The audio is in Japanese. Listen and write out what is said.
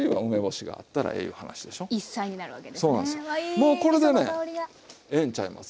もうこれでねええんちゃいます？